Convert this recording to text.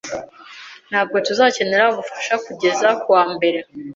Ntabwo tuzakenera ubufasha kugeza kuwa mbere.